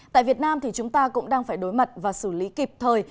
tại việt nam thì chúng ta cũng đang phải đối mặt và xử lý kịp thời